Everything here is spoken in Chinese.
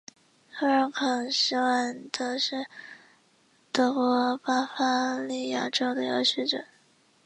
福尔肯施万德是德国巴伐利亚州的一个市镇。